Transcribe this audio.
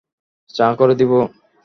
চা করে দিবো?